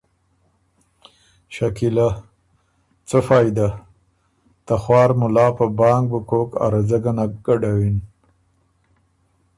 شکیلۀ: څۀ فائدۀ؟ ته خوار ملا په بانګ بُو کوک ا رځۀ ګۀ نک ګډوِن۔